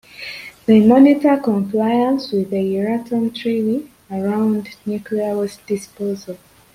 They monitor compliance with the Euratom Treaty around nuclear waste disposal.